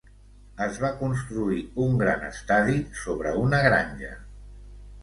Es va construir un gran estadi sobre una granja.